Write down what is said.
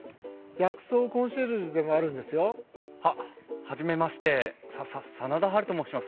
薬草コンシェルジュでもあるんですよ。は初めましてささ真田ハルと申します。